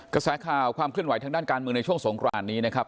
กระแสข่าวความเคลื่อนไหทางด้านการเมืองในช่วงสงครานนี้นะครับ